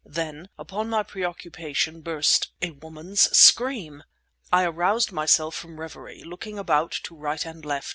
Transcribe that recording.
Then in upon my preoccupation burst a woman's scream! I aroused myself from reverie, looking about to right and left.